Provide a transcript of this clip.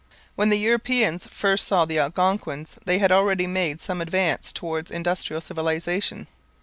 When the Europeans first saw the Algonquins they had already made some advance towards industrial civilization.